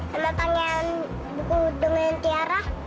sama panggilan buku dengan tiara